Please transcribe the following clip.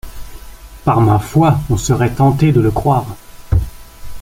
Par ma foi ! on serait tenté de le croire.